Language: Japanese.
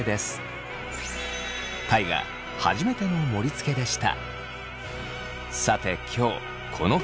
初めての盛りつけでした。